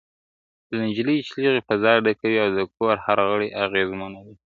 د نجلۍ چيغې فضا ډکوي او د کور هر غړی اغېزمنوي,